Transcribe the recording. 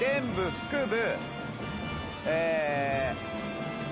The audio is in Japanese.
腹部。